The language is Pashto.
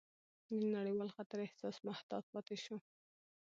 د نړیوال خطر احساس محتاط پاتې شو،